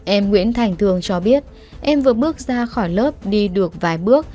em nguyễn thành thường cho biết em vừa bước ra khỏi lớp đi được vài bước